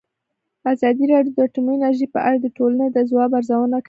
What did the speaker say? ازادي راډیو د اټومي انرژي په اړه د ټولنې د ځواب ارزونه کړې.